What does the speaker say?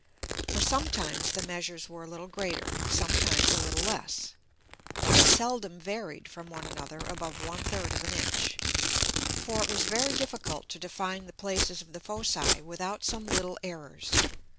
For sometimes the Measures were a little greater, sometimes a little less, but seldom varied from one another above 1/3 of an Inch. For it was very difficult to define the Places of the Foci, without some little Errors.